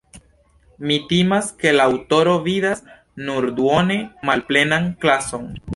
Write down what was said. Mi timas, ke la aŭtoro vidas nur duone malplenan glason.